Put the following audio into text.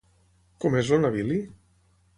Com és el navili?